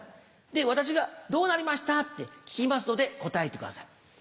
で私が「どうなりました？」って聞きますので答えてください。